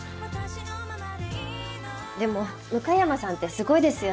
でも向山さんってすごいですよね。